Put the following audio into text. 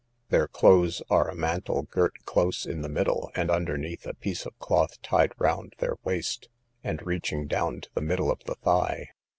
Their clothes are a mantle girt close in the middle, and underneath a piece of cloth tied round their waist, and reaching down to the middle of the thigh.